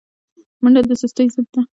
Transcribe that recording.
منډه د سستۍ ضد ده